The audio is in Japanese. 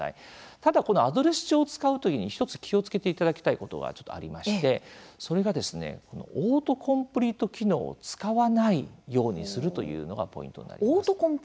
ただアドレス帳を使う時に１つ気をつけていただきたいことがありましてそれがオートコンプリート機能を使わないようにするというのがポイントになります。